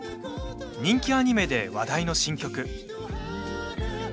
人気アニメで話題の新曲。